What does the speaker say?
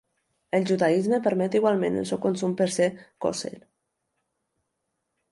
El judaisme permet igualment el seu consum per ser kosher.